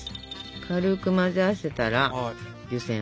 軽く混ぜ合わせたら湯せん。